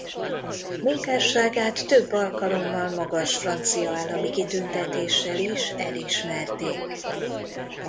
Munkásságát több alkalommal magas francia állami kitüntetéssel is elismerték.